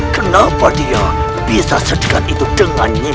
kenapa dia bisa sedekat itu dengan nyanyi